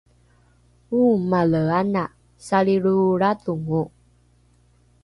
oomale ana salilroolradhongo